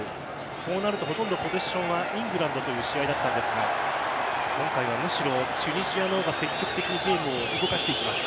そうなるとほとんどポゼッションはイングランドという試合だったんですが今回は、むしろチュニジアの方が積極的にゲームを動かしていきます。